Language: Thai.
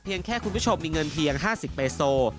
แค่คุณผู้ชมมีเงินเพียง๕๐เบโซ